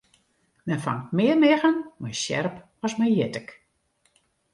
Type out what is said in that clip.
Men fangt mear miggen mei sjerp as mei jittik.